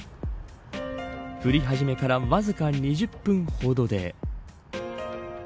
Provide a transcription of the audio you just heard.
降り始めからわずか２０分ほどで。